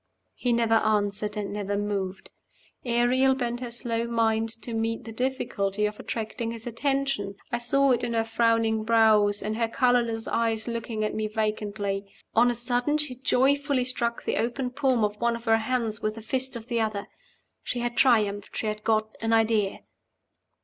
He never answered, and never moved. Ariel bent her slow mind to meet the difficulty of attracting his attention. I saw it in her frowning brows, in her colorless eyes looking at me vacantly. On a sudden, she joyfully struck the open palm of one of her hands with the fist of the other. She had triumphed. She had got an idea.